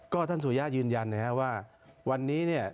ก็ท่านสุยะยืนยันว่าวันนี้เนี่ย